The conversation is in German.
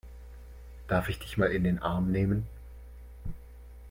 Darf ich dich mal in den Arm nehmen?